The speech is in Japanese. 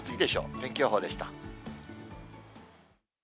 天気予報でした。